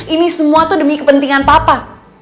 ini semua itu demi kepentingan papa